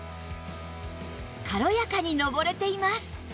軽やかに上れています